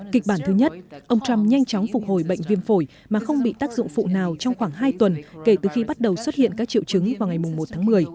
kịch bản thứ nhất ông trump nhanh chóng phục hồi bệnh viêm phổi mà không bị tác dụng phụ nào trong khoảng hai tuần kể từ khi bắt đầu xuất hiện các triệu chứng vào ngày một tháng một mươi